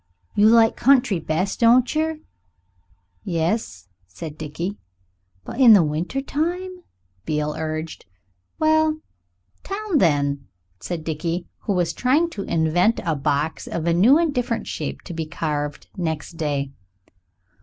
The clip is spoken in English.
"You like country best, don't yer?" "Yes," said Dickie. "But in the winter time?" Beale urged. "Well, town then," said Dickie, who was trying to invent a box of a new and different shape to be carved next day.